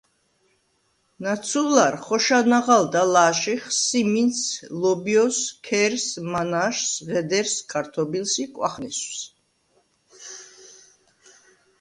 ნაცუ̄ლარ ხოშა ნაღალდ ალა̄შიხ: სიმინდს, ლობჲოს, ქერს, მანა̄შს, ღედერს, ქართობილს ი კვახნესვს.